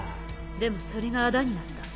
でもそれが仇になった。